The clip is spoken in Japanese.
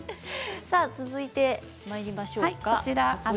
続いてまいりましょうか。